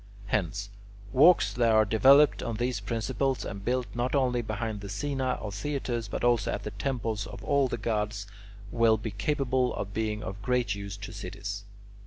Hence, walks that are developed on these principles, and built not only behind the "scaena" of theatres, but also at the temples of all the gods, will be capable of being of great use to cities.